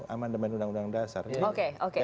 amandemen undang undang dasar oke